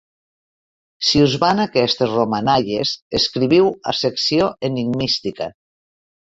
Si us van aquestes romanalles, escriviu a Secció Enigmística.